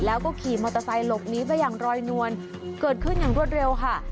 แล้วก็ขี่มอเตอร์ไซค์หลบหนีไปอย่างรอยนวลเกิดขึ้นอย่างรวดเร็วค่ะ